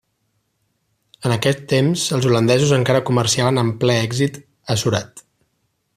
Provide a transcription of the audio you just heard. En aquest temps els holandesos encara comerciaven amb ple èxit a Surat.